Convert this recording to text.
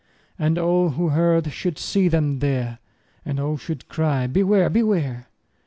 And all who heard should see them there, And all should cry, Beware! Beware!